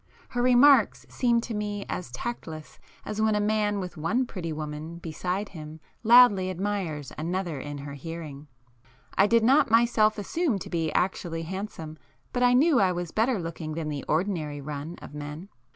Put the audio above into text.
Her remarks seemed to me as tactless as when a man with one pretty woman beside him loudly admires another in her hearing. I did not myself assume to be actually handsome, but I knew I was better looking than the ordinary run of men.